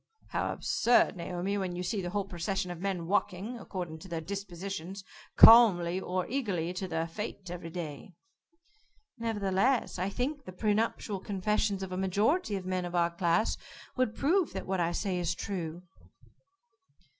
"How absurd, Naomi, when you see the whole procession of men walking, according to their dispositions calmly or eagerly to their fate every day." "Nevertheless, I think the pre nuptial confessions of a majority of men of our class, would prove that what I say is true."